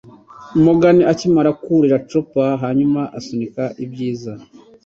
Morgan akimara kwurira chopper hanyuma asunika ibyiza